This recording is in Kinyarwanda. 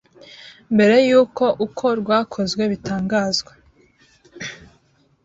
mbere yuko uko rwakozwe bitangazwa.